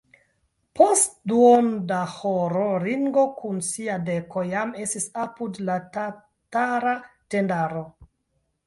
Post duono da horo Ringo kun sia deko jam estis apud la tatara tendaro.